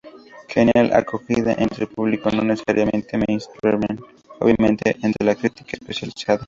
Genial acogida entre el público, no necesariamente mainstream, obviamente, y entre la crítica especializada.